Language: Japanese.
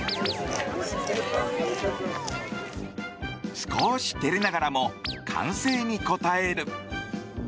少し照れながらも歓声に応える。